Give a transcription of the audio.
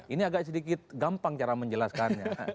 ini agak sedikit gampang cara menjelaskannya